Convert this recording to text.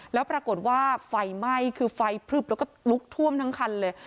แล้วปรากฏว่าไฟไหม้คือไฟพลึบแล้วก็ลุกท่วมทั้งคันเลย